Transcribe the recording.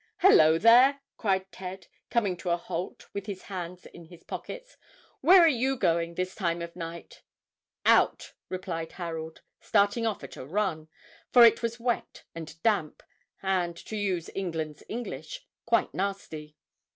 "Hello, there!" cried Ted, coming to a halt with his hands in his pockets; "where are you going this time of night?" "Out," replied Harold, starting off at a run, for it was wet and damp, and, to use England's English, "quite nasty."